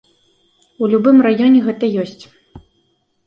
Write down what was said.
У любым раёне гэта ёсць.